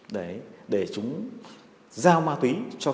đấy để chúng giao ma túy cho các cơ quan chức năng